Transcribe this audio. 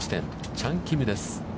チャン・キムです。